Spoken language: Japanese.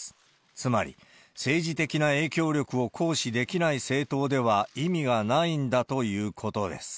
つまり、政治的な影響力を行使できない政党では意味がないんだということです。